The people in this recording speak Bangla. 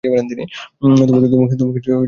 তোমাকে সুন্দরও লাগছে।